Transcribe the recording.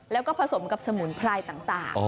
แล้วก็ผสมกับสมุนไพรต่าง